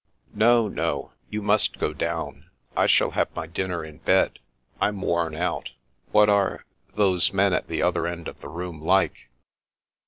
" No, no. You must go down. I shall have my dinner in bed. I'm worn out. What are — ^those men at the other end of the room like